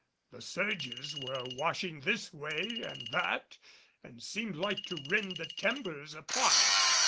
The surges were washing this way and that and seemed like to rend the timbers apart.